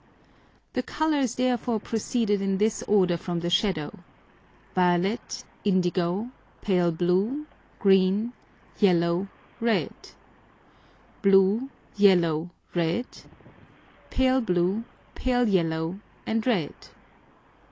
The Colours therefore proceeded in this order from the Shadow; violet, indigo, pale blue, green, yellow, red; blue, yellow, red; pale blue, pale yellow and red.